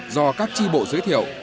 do các tri bộ giới thiệu